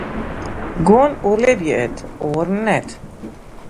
Guon oerlibje it, oaren net.